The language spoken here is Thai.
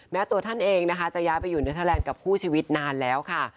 แม้ตัวท่านเองจะย้ายไปอยู่ในทะเลนด์กับคู่ชีวิตนานแล้วค่ะ